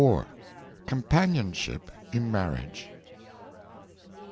COMPANIONSHIP IN MARRIAGE.